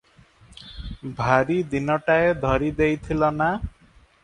ଭାରି ଦିନଟାଏ ଧରି ଦେଇଥିଲ ନା!